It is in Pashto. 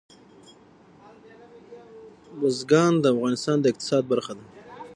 بزګان د افغانستان د اقتصاد برخه ده.